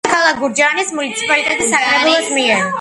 მიღებულია ქალაქ გურჯაანის მუნიციპალიტეტის საკრებულოს მიერ.